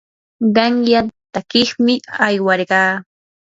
qanyan takiymi aywarqaa.